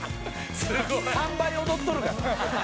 「３倍踊っとるからな」